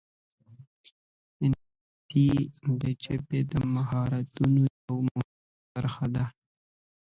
انګلیسي د ژبې د مهارتونو یوه مهمه برخه ده